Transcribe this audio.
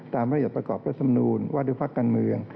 ตามประหยัดประกอบประสำนูลวัตถุภักษ์การเมือง